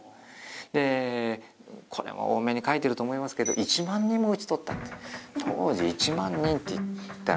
でこれも多めに書いてると思いますけど１万人も討ち取ったって。